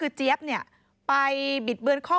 เผื่อเขายังไม่ได้งาน